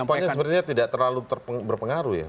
tampaknya sebenarnya tidak terlalu berpengaruh ya